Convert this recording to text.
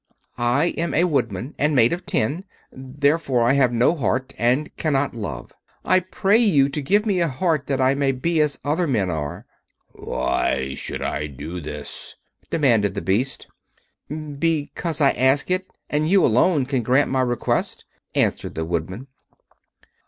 "I am a Woodman, and made of tin. Therefore I have no heart, and cannot love. I pray you to give me a heart that I may be as other men are." "Why should I do this?" demanded the Beast. "Because I ask it, and you alone can grant my request," answered the Woodman.